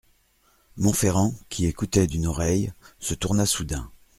Monferrand, qui écoutait d'une oreille, se tourna soudain.